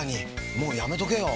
もうやめとけよ。